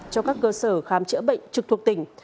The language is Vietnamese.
cho các cơ sở khám chữa bệnh trực thuộc tỉnh